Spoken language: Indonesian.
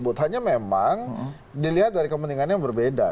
butahannya memang dilihat dari kepentingannya yang berbeda